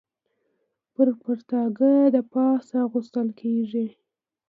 پر پرتاګه د پاسه اغوستل کېږي.